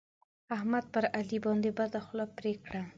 احمد پر علي باندې بده خوله پرې کړه.